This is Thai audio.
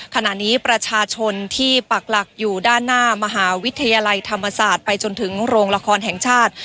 ขณะนี้ประชาชนที่ปักหลักอยู่ด้านหน้ามหาวิทยาลัยธรรมศาสตร์ไปจนถึงโรงละครแห่งชาติ